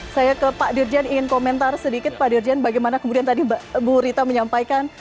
saya ke pak dirjen ingin komentar sedikit pak dirjen bagaimana kemudian tadi bu rita menyampaikan